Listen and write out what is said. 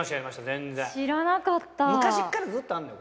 全然知らなかった昔っからずっとあるのよ